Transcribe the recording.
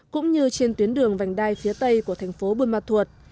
cũng như trên tuyến đường vành đai phía tây của thành phố buôn ma thuột